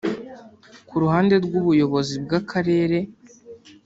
Ku ruhande rw’ubuyobozi bw’Akarere